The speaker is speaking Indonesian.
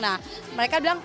nah mereka bilang